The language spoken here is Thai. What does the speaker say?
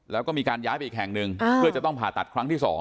แล้วก็มีการย้ายไปอีกแห่งหนึ่งเพื่อจะต้องผ่าตัดครั้งที่๒